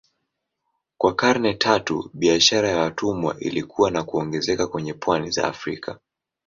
Kwa karne tatu biashara ya watumwa ilikua na kuongezeka kwenye pwani za Afrika.